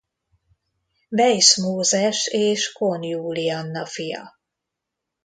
Weisz Mózes és Kohn Julianna fia.